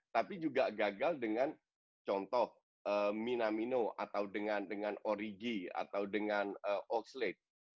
tapi juga gagal dengan contoh minamino atau dengan origi atau dengan old slate